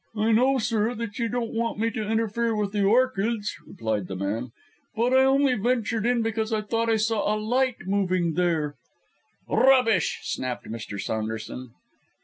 "I know, sir, that you don't want me to interfere with the orchids," replied the man, "but I only ventured in because I thought I saw a light moving there " "Rubbish!" snapped Mr. Saunderson.